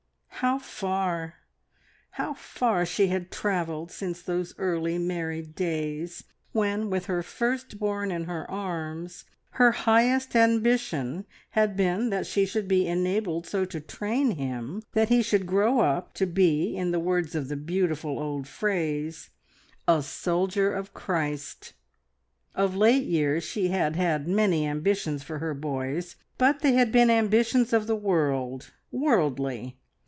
How far, how far she had travelled since those early married days, when, with her first born in her arms, her highest ambition had been that she should be enabled so to train him that he should grow up, to be, in the words of the beautiful old phrase, "A soldier of Christ!" Of late years she had had many ambitions for her boys, but they had been ambitions of the world, worldly.